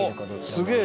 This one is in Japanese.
すげえ！